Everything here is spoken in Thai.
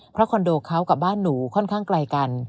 เพราะคอนโดเขากับบ้านหนูค่อนข้างไกลกัน